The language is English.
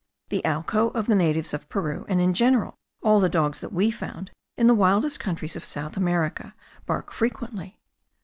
The allco of the natives of Peru, and in general all the dogs that we found in the wildest countries of South America, bark frequently.